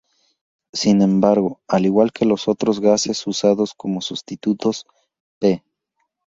Sin embargo, al igual que los otros gases usados como sustitutos, p.